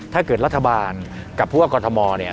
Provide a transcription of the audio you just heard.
ถ้าเกิดรัฐบาลกับผู้ว่ากรทมเนี่ย